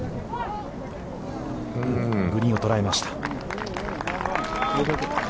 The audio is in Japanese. グリーンを捉えました。